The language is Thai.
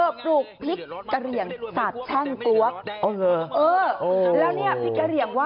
เออปลูกพริกเกรียงสาดชั่งกว๊อก